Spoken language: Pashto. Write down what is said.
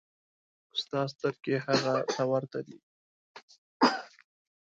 ستا سترګې هغه ته ورته دي.